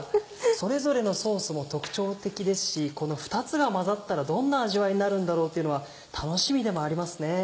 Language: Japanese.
それぞれのソースも特徴的ですしこの２つが混ざったらどんな味わいになるんだろうっていうのは楽しみでもありますね。